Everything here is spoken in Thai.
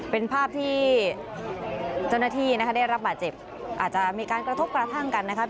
เป็นภาพที่เจ้าหน้าที่นะคะได้รับบาดเจ็บอาจจะมีการกระทบกระทั่งกันนะครับ